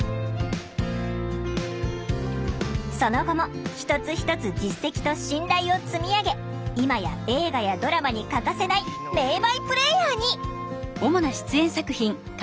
その後も一つ一つ実績と信頼を積み上げ今や映画やドラマに欠かせない名バイプレーヤーに！